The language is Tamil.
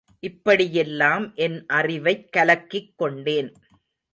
இப்படியெல்லாம் என் அறிவைக் கலக்கிக் கொண்டேன்.